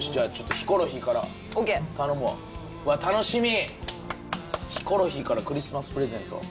ヒコロヒーからクリスマスプレゼント。